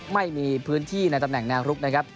ไม่มีพื้นที่ในตำแหน่งแนวลุกนะครับ